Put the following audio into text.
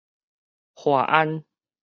華安